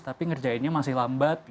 tapi ngerjainnya masih lambat